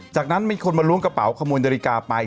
จากนั้นมีคนมาล้วงกระเป๋าขโมยนาฬิกาไป